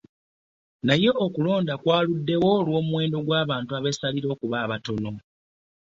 Naye okulonda kwaluddewo olw'omuwendo gw'abantu abessalira okuba abatono